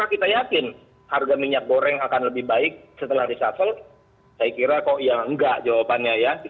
kita yakin harga minyak goreng akan lebih baik setelah reshuffle saya kira kok ya enggak jawabannya ya